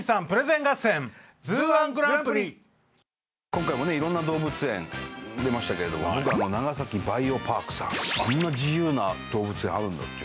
今回もいろんな動物園出ましたけれども、長崎バイオパークさん、あんな自由な動物園あるんだって。